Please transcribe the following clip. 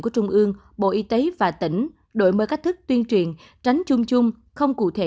của trung ương bộ y tế và tỉnh đổi mới cách thức tuyên truyền tránh chung chung không cụ thể